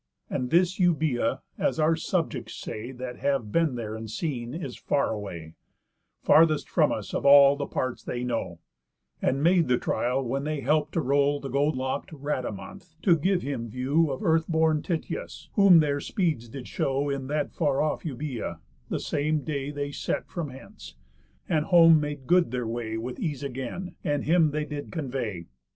And this Eubœa, as our subjects say That have been there and seen, is far away, Farthest from us of all the parts they know; And made the trial when they help'd to row The gold lock'd Rhadamanth, to give him view Of earth born Tityus; whom their speeds did show In that far off Eubœa, the same day They set from hence; and home made good their way With ease again, and him they did convey.